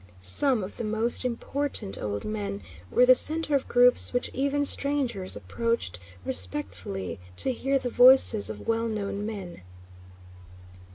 Some of the most important old men were the center of groups which even strangers approached respectfully to hear the voices of well known men.